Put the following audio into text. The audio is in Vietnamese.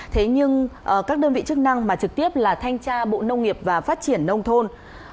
thế nhưng các đơn vị chức năng mà trực tiếp là thanh tra bộ nông nghiệp và phát triển nông thôn